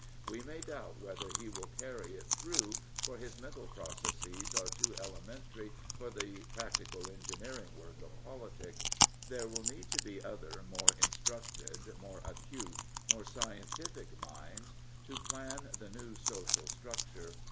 We may doubt whether he will carry it through, for his mental processes are too elementary for the practical engineering work of politics. There will need to be other more in structed, more acute, more scientific minds to plan the new social structure.